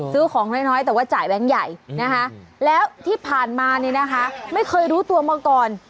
ซื้อของน้อยแต่ว่าจ่ายแบงค์ใหญ่นะคะแล้วที่ผ่านมานี่นะคะไม่เคยรู้ตัวมาก่อน